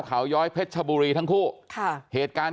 กลับไปลองกลับ